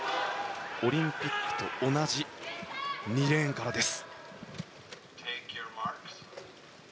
オリンピックと同じ２レーンからです。